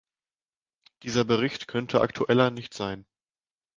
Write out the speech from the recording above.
Dieser Bericht könnte aktueller nicht sein.